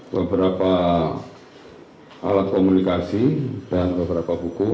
beberapa alat komunikasi dan beberapa buku